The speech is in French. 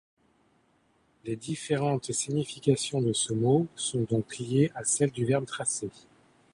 Les différentes significations de ce mot sont donc liées à celles du verbe tracer.